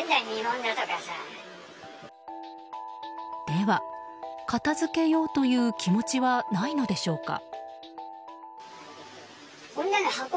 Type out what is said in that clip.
では、片付けようという気持ちはないのでしょうか。